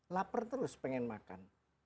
laper terus pengen makan